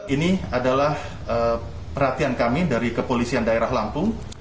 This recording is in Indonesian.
ini adalah perhatian kami dari kepolisian daerah lampung